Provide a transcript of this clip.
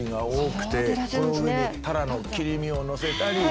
その上にタラの切り身をのせたり。